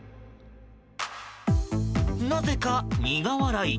なぜか苦笑い。